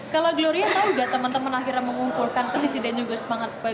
kalau gloria tau gak teman teman akhirnya mau ngumpulkan penisi dan juga semangat supaya